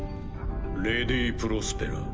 レディ・プロスペラ。